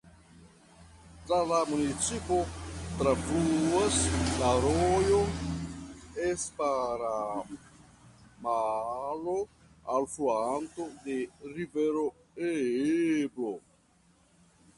Tra la municipo trafluas la rojo Esperamalo alfluanto de la rivero Ebro.